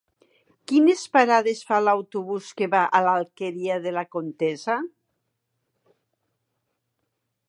Quines parades fa l'autobús que va a l'Alqueria de la Comtessa?